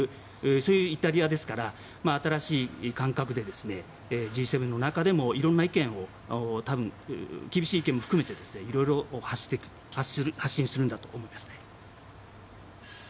そういうイタリアですから新しい感覚でＧ７の中でも色んな意見を厳しい意見も含めて色々発信するんだと思いますね。